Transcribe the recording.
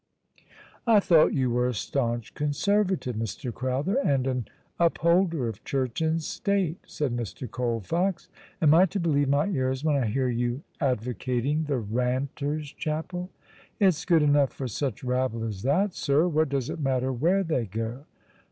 '' I thought you were a staunch Conservative, Mr. Crowther, and an upholder of Church and State/' said Mr. Col fox. " Am I to believe my ears when I hear you advocating the Banters' Chapel?" "It's good enough for such rabble as that, sir. What does it matter where they go